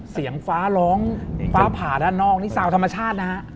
เสียงฟ้าร้องฟ้าผ่าด้านนอกนี่สาวธรรมชาตินะฮะ